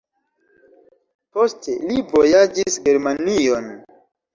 Poste li vojaĝis Germanion.